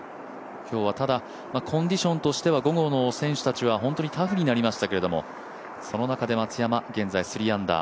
今日はただ、コンディションとしては午後の選手たちは本当にタフになりましたけどその中で松山、現在３アンダー。